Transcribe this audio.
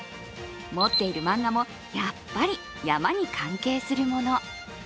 持っている漫画も、やっぱり山に関係するもの。